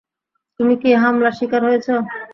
তুমি কি হামলার শিকার হয়েছো?